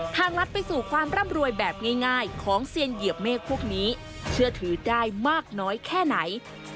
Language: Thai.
ลัดไปสู่ความร่ำรวยแบบง่ายของเซียนเหยียบเมฆพวกนี้เชื่อถือได้มากน้อยแค่ไหน